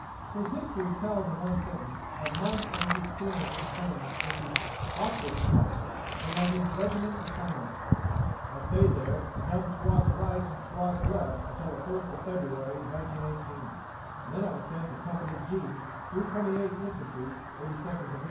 His history tells in one sentence, of months of his experience in training with the "awkward squad" and of his regimental assignment: "I stayed there and done squads right and squads left until the first of February, 1918, and then I was sent to Company G, 328 Inf. 82nd Div."